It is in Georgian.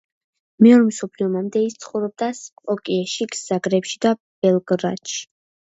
მეორე მსოფლიო ომამდე ის ცხოვრობდა სკოპიეში, ზაგრებში და ბელგრადში.